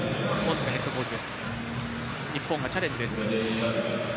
日本がチャレンジです。